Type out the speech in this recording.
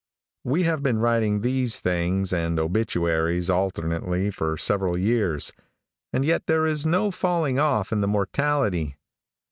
We have been writing these things and obituaries alternately for several years, and yet there is no falling off in the mortality.